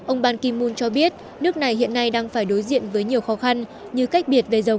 ông ban ki moon cho biết nước này hiện nay đang phải đối diện với nhiều khó khăn như cách biệt về giàu